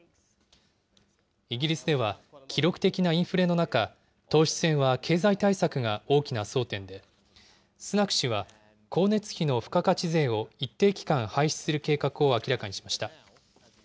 イギリスでは、記録的なインフレの中、党首選は経済対策が大きな争点で、スナク氏は光熱費の付加価値税を一定期間廃止する計画を明らかにしました。